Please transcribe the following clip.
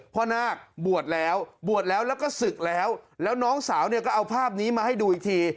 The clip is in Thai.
นาคบวชแล้วบวชแล้วแล้วก็ศึกแล้วแล้วน้องสาวเนี่ยก็เอาภาพนี้มาให้ดูอีกที